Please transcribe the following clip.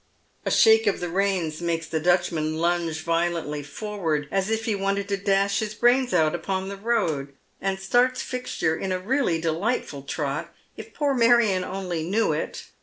" A shake of the reins makes the Dutchman lunge violently forward as if he wanted to dash his brains out upon the road, and starts Fixture in a really delightful trot, if poor Marion only knew it.